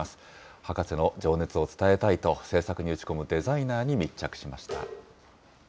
博士の情熱を伝えたいと、制作に打ち込むデザイナーに密着しました。